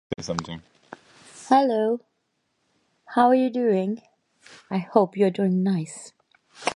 After his tenure with Toto, he has released several more.